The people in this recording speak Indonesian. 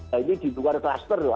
nah ini di luar kluster loh